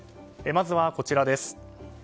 まずは、こちらです。